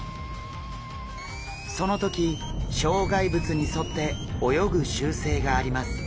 その時障害物に沿って泳ぐ習性があります。